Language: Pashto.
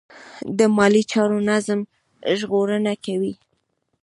د مالي چارو نظم ژغورنه کوي.